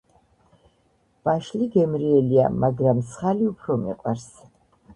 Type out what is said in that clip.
ვაშლი გემრიელია, მაგრამ მსხალი უფრო მიყვარს.